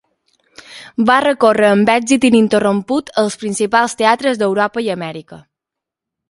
Va recórrer amb èxit ininterromput els principals teatres d'Europa i Amèrica.